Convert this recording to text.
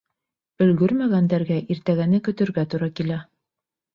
Өлгөрмәгәндәргә иртәгәне көтөргә тура килә.